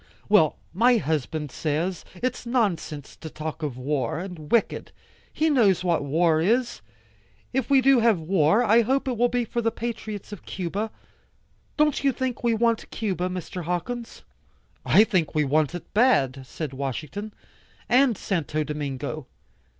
"Well, my husband says, its nonsense to talk of war, and wicked. He knows what war is. If we do have war, I hope it will be for the patriots of Cuba. Don't you think we want Cuba, Mr. Hawkins?" "I think we want it bad," said Washington. "And Santo Domingo.